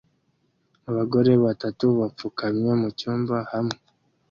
Abagore batatu bapfukamye mucyumba hamwe